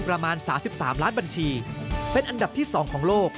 ประมาณ๓๓ล้านบัญชีเป็นอันดับที่๒ของโลก